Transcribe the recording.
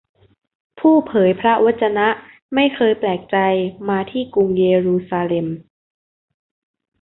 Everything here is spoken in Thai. ผู้เผยพระวจนะไม่เคยแปลกใจมาที่กรุงเยรูซาเล็ม